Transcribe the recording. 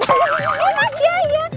emang dia ya